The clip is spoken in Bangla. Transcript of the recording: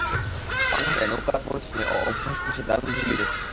অনাহারে, নৌকার পরিশ্রমে ও অভ্যাসদোষে দারুণ ঢুলিতেছেন।